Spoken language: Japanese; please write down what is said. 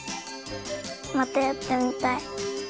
またやってみたい。